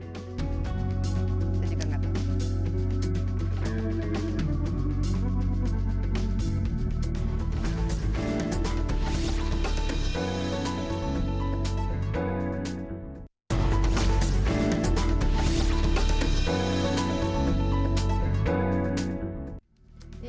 saya juga ngetik